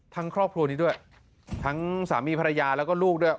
ครอบครัวนี้ด้วยทั้งสามีภรรยาแล้วก็ลูกด้วย